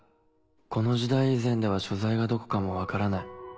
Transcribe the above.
この時代以前では所在がどこかも分からない。